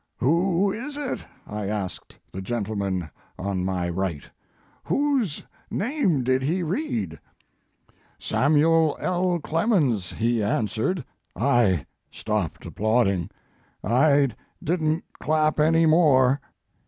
Who is it ? I asked the gentleman on my right. Whose name did he read ? Samuel L,. Clemens, he answered. I stopped applauding. I didn t clap any more.